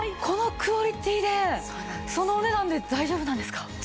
このクオリティーでそのお値段で大丈夫なんですか？